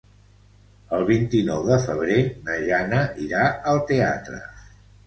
El vint-i-nou de febrer na Jana irà al teatre.